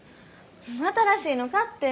新しいの買って。